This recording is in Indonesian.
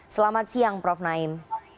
selamat siang prof naim